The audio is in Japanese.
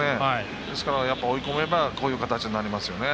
ですからやっぱり追い込めばこういう形になりますよね。